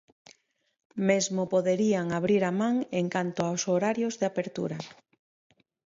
Mesmo poderían abrir a man en canto aos horarios de apertura.